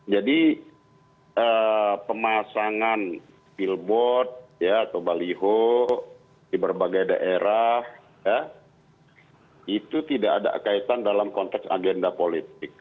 jadi pemasangan pilbot atau baliho di berbagai daerah itu tidak ada kaitan dalam konteks agenda politik